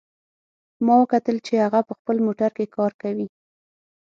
ما وکتل چې هغه په خپل موټر کې کار کوي